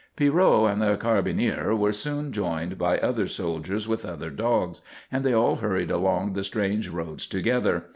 Pierrot and the carbineer were soon joined by other soldiers with other dogs, and they all hurried along the strange roads together.